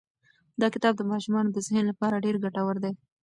دا کتاب د ماشومانو د ذهن لپاره ډېر ګټور دی.